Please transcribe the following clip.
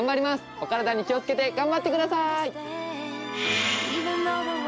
お体に気を付けて頑張ってください！